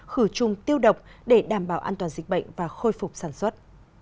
khử trùng tiêu độc để đảm bảo an toàn dịch bệnh và khôi phục sản xuất